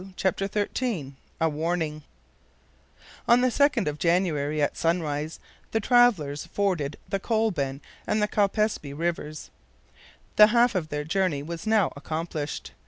CHAPTER XIII A WARNING ON the 2d of January, at sunrise, the travelers forded the Colban and the Caupespe rivers. The half of their journey was now accomplished.